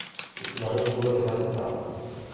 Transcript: No hay ninguno que sea aceptado.